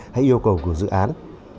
hay yêu cầu của dự án